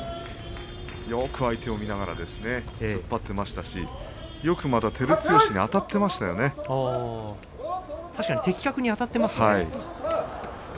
よく相手を見ながら突っ張っていましたし確かに的確にあたっていますね。